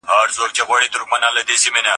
انا په بېوسۍ سره د قبلې خواته ودرېده.